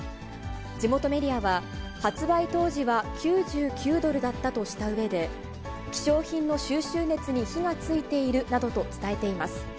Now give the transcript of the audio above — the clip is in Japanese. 地元メディアは、発売当時は９９ドルだったとしたうえで、希少品の収集熱に火がついているなどと伝えています。